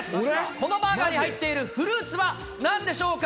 このバーガーに入っているフルーツはなんでしょうか。